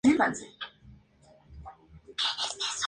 Su dieta básica es granos, frutas e invertebrados.